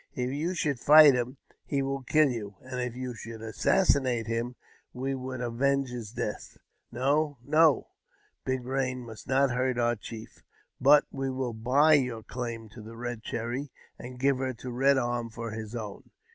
If you should fight him, he will kill you; and if you should assassi nate him, we would avenge his death. No, no ! Big Eain must not hurt our chief. But we will buy your claim to the Eed Cherry, and give her to Eed Arm for his own.